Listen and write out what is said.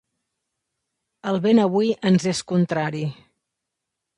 El vent avui ens és contrari.